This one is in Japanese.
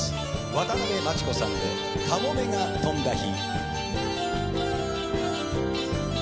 渡辺真知子さんで『かもめが翔んだ日』。